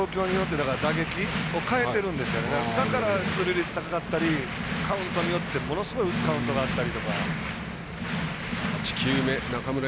だから、出塁率が高かったりカウントによってはものすごく打つカウントだったり。